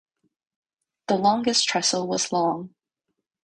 The longest trestle was long.